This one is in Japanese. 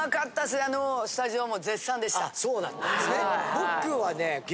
僕はね。